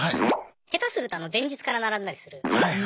下手すると前日から並んだりする。